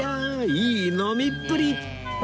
いい飲みっぷり！